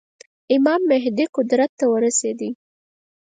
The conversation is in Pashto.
امام مهدي قدرت ته ورسېدی.